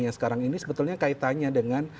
yang sekarang ini sebetulnya kaitannya dengan